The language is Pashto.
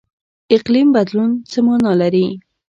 اقلیم بدلون څه مانا لري؟